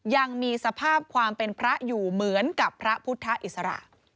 ยังมีสภาพความเป็นพระอยู่เหมือนกับพระพุทธอิสระ